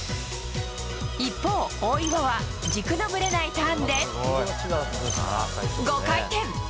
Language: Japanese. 一方、大岩は軸のぶれないターンで５回転！